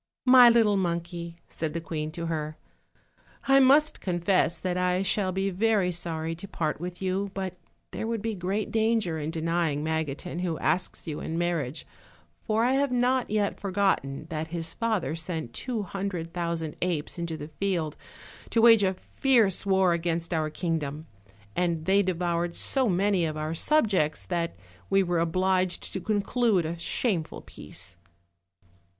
"My little monkey," said the queen to her, "I must confess that I shall be very sorry to part with you, but there would be great danger in denying Magotin, who asks you in marriage, for I have not yet forgotten that his father sent two hundred thou sand apes into the field to wage a fierce war against our kingdom, and they devoured so many of our subjects that we wore obliged to conclude a shameful peace.